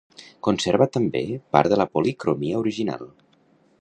Conserva també part de la policromia original.